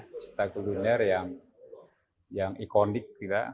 wisata kuliner yang ikonik kita